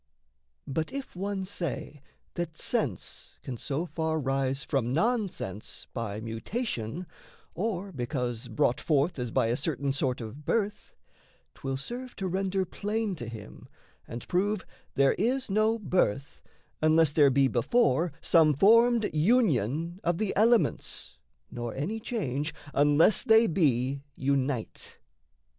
But if one say that sense can so far rise From non sense by mutation, or because Brought forth as by a certain sort of birth, 'Twill serve to render plain to him and prove There is no birth, unless there be before Some formed union of the elements, Nor any change, unless they be unite.